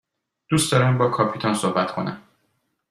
دوست دارم با کاپیتان صحبت کنم.